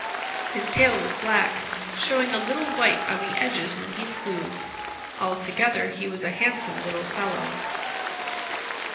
His tail was black, showing a little white on the edges when he flew. All together he was a handsome little fellow.